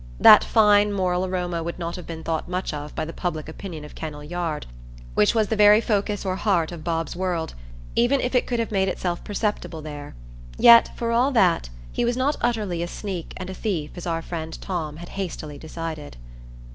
That fine moral aroma would not have been thought much of by the public opinion of Kennel Yard, which was the very focus or heart of Bob's world, even if it could have made itself perceptible there; yet, for all that, he was not utterly a sneak and a thief as our friend Tom had hastily decided.